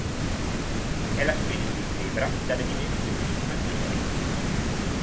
È la specie di zebra dalle dimensioni maggiori.